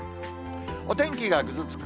お天気がぐずつく